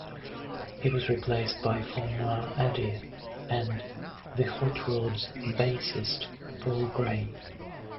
He was replaced by former Eddie and the Hot Rods bassist Paul Gray.